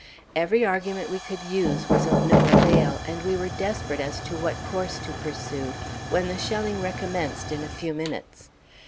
Every argument we could use was of no avail, and we were desperate as to what course to pursue, when the shelling recommenced in a few minutes.